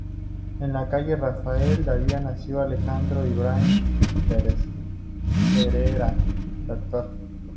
En la calle Rafael Dávila nació Alejandro Ibrahim Perera, Dr.